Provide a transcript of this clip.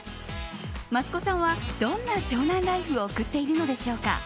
益子さんはどんな湘南ライフを送っているのでしょうか。